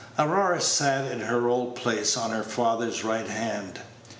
Aurora sat in her old place on her father's right hand.